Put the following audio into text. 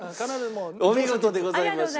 お見事でございました。